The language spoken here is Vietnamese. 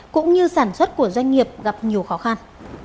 cũng như sản xuất của doanh nghiệp gặp nhiều khó khăn